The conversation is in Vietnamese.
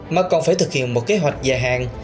mà còn phải thực hiện một kế hoạch dài hạn